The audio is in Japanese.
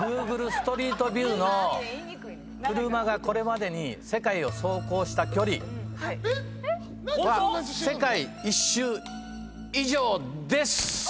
ストリートビューの車がこれまでに世界を走行した距離は世界１周以上です！